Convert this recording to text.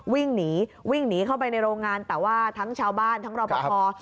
วิ่งหนีวิ่งหนีเข้าไปในโรงงานแต่ว่าทั้งชาวบ้านทั้งรอปภ